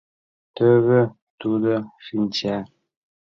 Тӧвӧ тудо шинча!